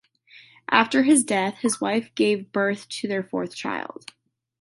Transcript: After his death his wife gave birth to their fourth child.